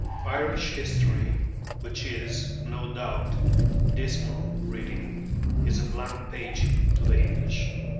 Irish history, which is, no doubt, dismal reading, is a blank page to the English.